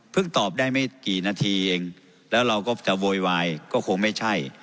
ตอบได้ไม่กี่นาทีเองแล้วเราก็จะโวยวายก็คงไม่ใช่